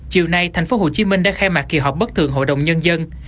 chiều nay thành phố hồ chí minh đã khai mặt kỳ họp bất thường hội đồng nhân dân